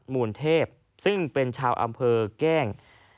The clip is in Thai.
มูลเทพซึ่งเป็นชาวอำเภอแก้ง